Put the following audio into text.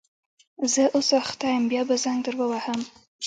زه اوس اخته یم باره به زنګ در ووهم